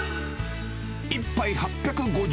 １杯８５０円。